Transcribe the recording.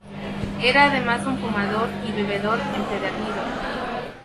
Era además un fumador y bebedor empedernido.